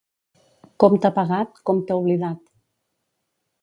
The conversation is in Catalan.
Compte pagat, compte oblidat.